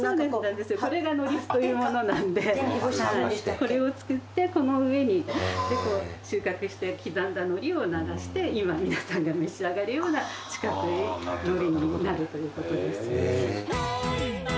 これが海苔簀というものなんでこれを作ってこの上に収穫して刻んだ海苔を流して今皆さんが召し上がるような四角い海苔になるということです。